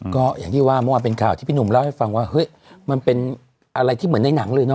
ก็อย่างที่ว่าเมื่อวานเป็นข่าวที่พี่หนุ่มเล่าให้ฟังว่าเฮ้ยมันเป็นอะไรที่เหมือนในหนังเลยเน